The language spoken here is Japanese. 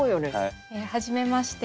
はじめまして。